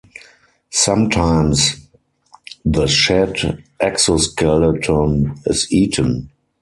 Sometimes the shed exoskeleton is eaten.